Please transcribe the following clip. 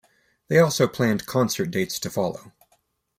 They also planned concert dates to follow.